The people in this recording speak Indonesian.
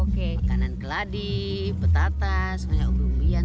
makanan keladi petata semuanya ubi ubian